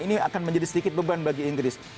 ini akan menjadi sedikit beban bagi inggris